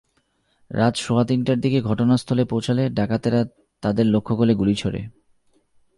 রাত সোয়া তিনটার দিকে ঘটনাস্থলে পৌঁছালে ডাকাতেরা তাঁদের লক্ষ করে গুলি ছোড়ে।